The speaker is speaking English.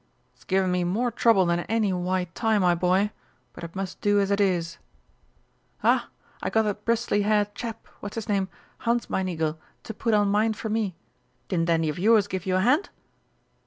"It's given me more trouble than any white tie, my boy but it must do as it is." "Ah, I got that bristly haired chap what's his name Hansmeinigel to put on mine for me. Didn't any of yours give you a hand?"